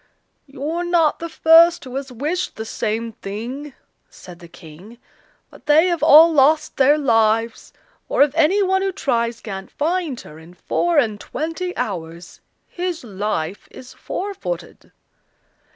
"You're not the first who has wished the same thing," said the King, "but they have all lost their lives; for if any one who tries can't find her in four and twenty hours his life is forfeited."